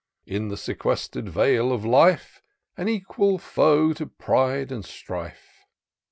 In the sequester'd vale of life, An equal foe to pride and strife.